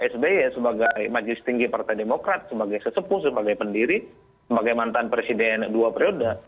sby sebagai majelis tinggi partai demokrat sebagai sesepuh sebagai pendiri sebagai mantan presiden dua periode